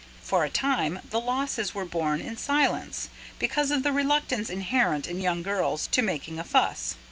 For a time, the losses were borne in silence, because of the reluctance inherent in young girls to making a fuss.